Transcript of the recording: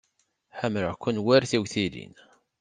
Ḥemmleɣ-ken war tiwtilin.